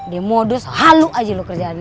demodus haluk aja loh kerjaannya